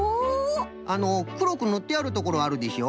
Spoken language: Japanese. あのくろくぬってあるところあるでしょ？